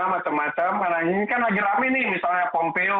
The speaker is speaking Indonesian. macam macam karena ini kan lagi rame nih misalnya pompeo